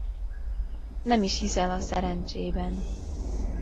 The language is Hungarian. Nem is hiszel a szerencsében.